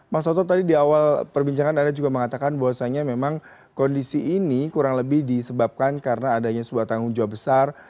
mas soto tadi di awal perbincangan anda juga mengatakan bahwasannya memang kondisi ini kurang lebih disebabkan karena adanya sebuah tanggung jawab besar